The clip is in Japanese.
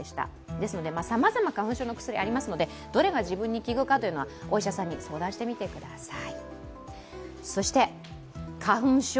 ですので、さまざま花粉症の薬、ありますのでどれが自分の効くかというのはお医者さんに相談してみてください。